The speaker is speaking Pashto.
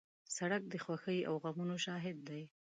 سړک د خوښۍ او غمونو شاهد دی.